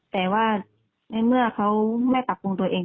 แต่ว่าในเมื่อเขาไม่ปรับปรุงตัวเอง